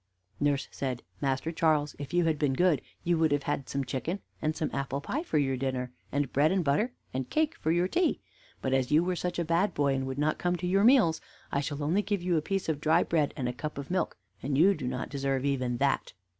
Nurse said: "Master Charles, if you had been good, you would have had some chicken and some apple pie for your dinner, and bread and butter and cake for your tea; but as you were such a bad boy, and would not come to your meals, I shall only give you a piece of dry bread and a cup of milk, and you do not deserve even that."